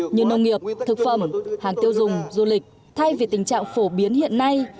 như nông nghiệp thực phẩm hàng tiêu dùng du lịch thay vì tình trạng phổ biến hiện nay